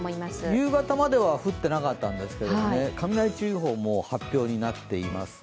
夕方までは降ってなかったんですけれども、雷注意報も発表になっています